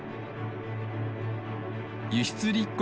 輸出立国